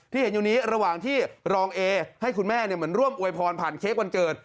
เห็นอยู่นี้ระหว่างที่รองเอให้คุณแม่เหมือนร่วมอวยพรผ่านเค้กวันเกิด